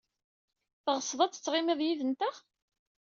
Teɣsed ad tettɣimid yid-nteɣ?